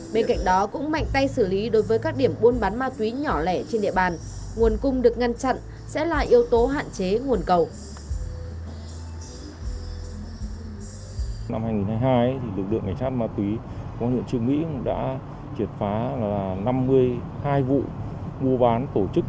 bên cạnh đó cũng mạnh tay xử lý đối với các điểm buôn bán ma túy nhỏ lẻ trên địa bàn